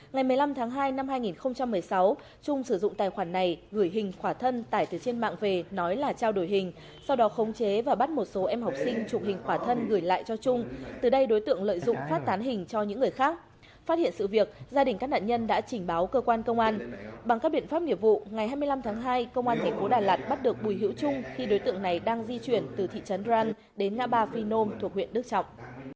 ngày một mươi năm tháng hai năm hai nghìn một mươi sáu trung sử dụng tài khoản này gửi hình khỏa thân tải từ trên mạng về nói là trao đổi hình sau đó khống chế và bắt một số em học sinh trụ hình khỏa thân gửi lại cho trung từ đây đối tượng lợi dụng phát tán hình cho những người khác phát hiện sự việc gia đình các nạn nhân đã chỉnh báo cơ quan công an bằng các biện pháp nghiệp vụ ngày hai mươi năm tháng hai công an thành phố đà lạt bắt được bùi hữu trung khi đối tượng này đang di chuyển từ thị trấn rang đến ngã ba phi nôm thuộc huyện đức trọng